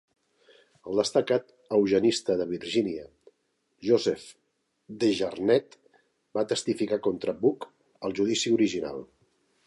El destacat eugenista de Virginia Joseph DeJarnette va testificar contra Buck al judici original.